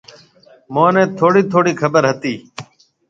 مھنيَ ٿوڙِي ٿوڙِي خبر ھتِي۔